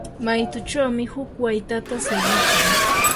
maytuchawmi huk waytata siqikan.